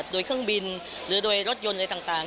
โดยเครื่องบินหรือโดยรถยนต์อะไรต่าง